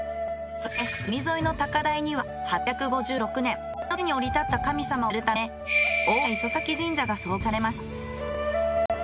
そして海沿いの高台には８５６年この地に降り立った神様を祭るため大洗磯前神社が創建されました。